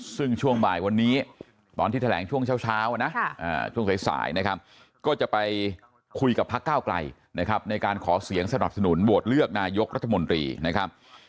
ซึ่งช่วงบ่ายวันนี้ตอนที่แถลงช่วงเช้านะช่วงสายนะครับก็จะไปคุยกับพักก้าวไกลนะครับในการขอเสียงสนับสนุนโหวตเลือกนายกรัฐมนตรีนะครับ